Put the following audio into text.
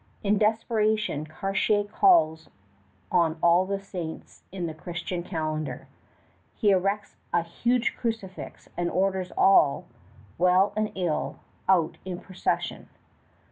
In desperation Cartier calls on all the saints in the Christian calendar. He erects a huge crucifix and orders all, well and ill, out in procession.